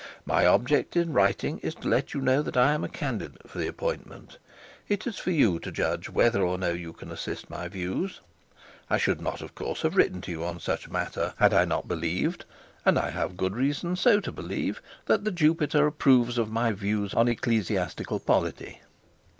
My object in writing is to let you know that I am a candidate for the appointment. It is for you to judge whether or no you can assist my views. I should not, of course, have written to you on such a matter had I not believed (and I have had good reason so to believe) that the Jupiter approves of my views on ecclesiastical polity.